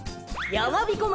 やまびこ村